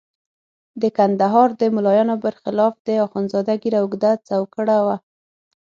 د کندهار د ملایانو برخلاف د اخندزاده ږیره اوږده څوکړه وه.